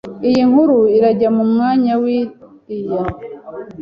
iyi nkuru urajya mu mwanya wiriya